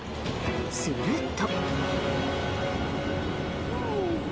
すると。